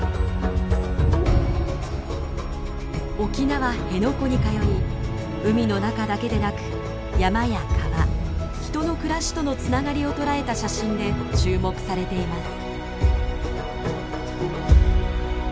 沖縄・辺野古に通い海の中だけでなく山や川人の暮らしとのつながりを捉えた写真で注目されています。